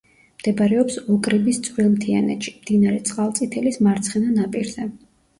მდებარეობს ოკრიბის წვრილმთიანეთში, მდინარე წყალწითელის მარცხენა ნაპირზე.